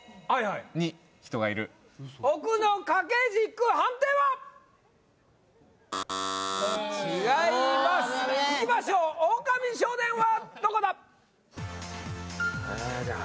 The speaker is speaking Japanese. はいはいはい！